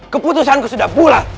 keputusan ku sudah bulat